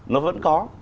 nó vẫn có